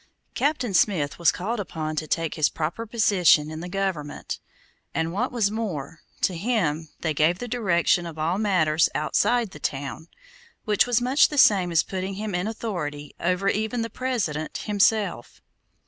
Captain Smith was called upon to take his proper position in the government, and, what was more, to him they gave the direction of all matters outside the town, which was much the same as putting him in authority over even the President himself.